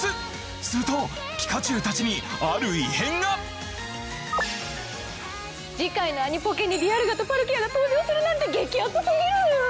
するとピカチュウたちにある異変が次回のアニポケにディアルガとパルキアが登場するなんて激アツすぎる！